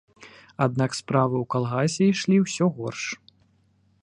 Аднак справы ў калгасе ішлі ўсё горш.